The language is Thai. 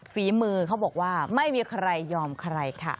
ฝีมือเขาบอกว่าไม่มีใครยอมใครค่ะ